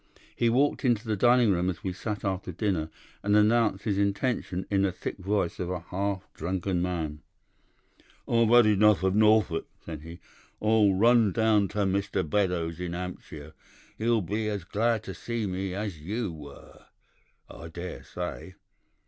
He walked into the dining room as we sat after dinner, and announced his intention in the thick voice of a half drunken man. "'"I've had enough of Norfolk," said he. "I'll run down to Mr. Beddoes in Hampshire. He'll be as glad to see me as you were, I daresay."